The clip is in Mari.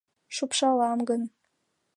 Шупшалам гын